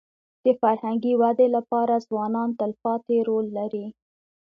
د فرهنګي ودې لپاره ځوانان تلپاتې رول لري.